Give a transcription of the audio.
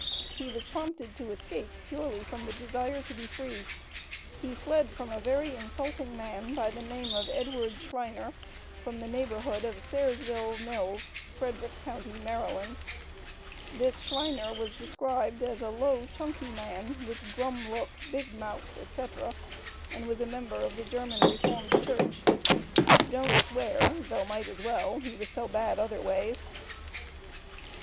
He was prompted to escape purely from the desire to be "free." He fled from a "very insulting man," by the name of Edward Schriner, from the neighborhood of Sairsville Mills, Frederick Co., Md. This Schriner was described as a "low chunky man, with grum look, big mouth, etc.," and was a member of the German Reformed Church. "Don't swear, though might as well; he was so bad other ways."